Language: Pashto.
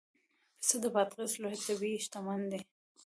پسته د بادغیس لویه طبیعي شتمني ده